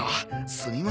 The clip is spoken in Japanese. すみません。